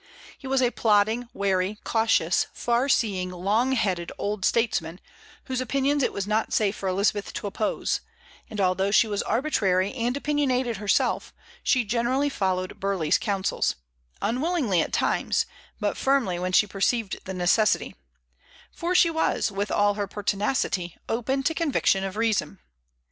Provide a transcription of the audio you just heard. He was a plodding, wary, cautious, far seeing, long headed old statesman, whose opinions it was not safe for Elizabeth to oppose; and although she was arbitrary and opinionated herself, she generally followed Burleigh's counsels, unwillingly at times, but firmly when she perceived the necessity; for she was, with all her pertinacity, open to conviction of reason.